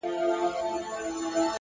ماته خو اوس هم گران دى اوس يې هم يادوم”